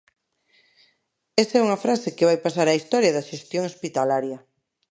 Esa é unha frase que vai pasar á historia da xestión hospitalaria.